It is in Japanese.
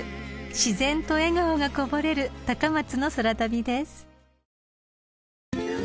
［自然と笑顔がこぼれる高松の空旅です］